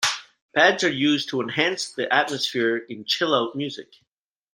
Pads are used to enhance the atmosphere in chill out music.